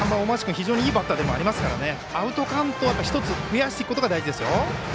非常にいいバッターですからアウトカウントを増やしていくことが大事です。